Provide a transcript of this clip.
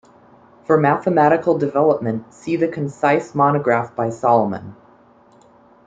For mathematical development see the concise monograph by Solomon.